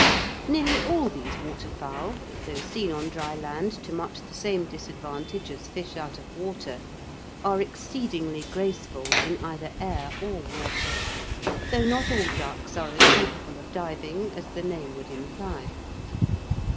Nearly all these waterfowl, though seen on dry land to much the same disadvantage as fish out of water, are exceedingly graceful in either air or water, though not all ducks are as capable of diving as the name would imply.